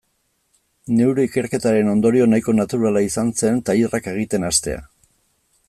Neure ikerketaren ondorio nahiko naturala izan zen tailerrak egiten hastea.